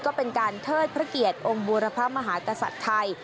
ก็เป็นการเทิดพระเกียรติองค์บูรพมหากษัตริย์ไทย